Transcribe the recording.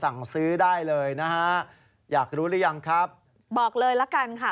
สั่งซื้อได้เลยนะฮะอยากรู้หรือยังครับบอกเลยละกันค่ะ